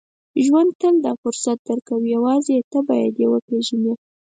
• ژوند تل ته فرصت درکوي، یوازې ته باید یې وپېژنې.